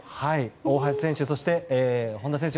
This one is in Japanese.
大橋選手、そして本多選手